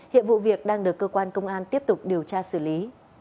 hiện vụ việc đang được cơ quan công an tiếp tục điều tra xử lý